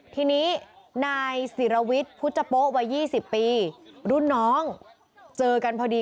ทีนี้นายศิรวิทย์พุทธโป๊วัย๒๐ปีรุ่นน้องเจอกันพอดี